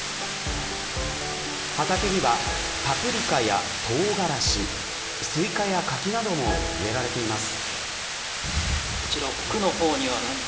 畑にはパプリカや唐辛子スイカやカキなども植えられています。